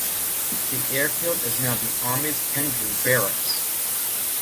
The airfield is now the Army's Kendrew Barracks.